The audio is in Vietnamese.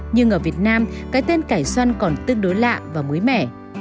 nhưng ở việt nam cái tên cải xoăn còn tương đối lạ và mới mẻ